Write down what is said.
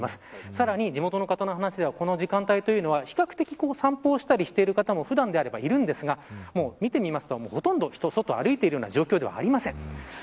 さらに地元の方の話ではこの時間帯は比較的散歩している方も普段であればいるんですが見てみると、もう人が外を歩いている状況ではありません。